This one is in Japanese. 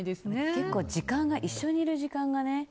結構一緒にいる時間がね。